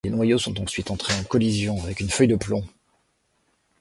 Les noyaux sont ensuite entrés en collision avec une feuille de plomb.